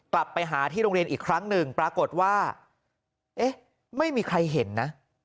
กลับไปหาที่โรงเรียนอีกครั้งหนึ่งปรากฏว่าเอ๊ะไม่มีใครเห็นนะ